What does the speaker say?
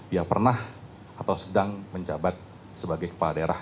yang pernah atau sedang menjabat sebagai kepala daerah